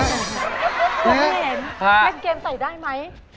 แกเกมใส่ได้ไหม